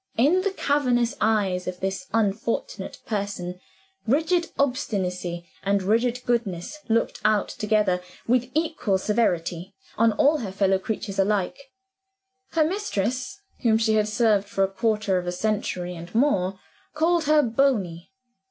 In the cavernous eyes of this unfortunate person rigid obstinacy and rigid goodness looked out together, with equal severity, on all her fellow creatures alike. Her mistress (whom she had served for a quarter of a century and more) called her "Bony."